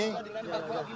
terima kasih pak